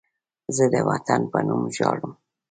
زه د وطن په نوم ژاړم